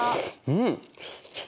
うん！